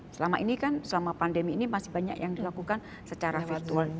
selama ini kan selama pandemi ini masih banyak yang dilakukan secara virtual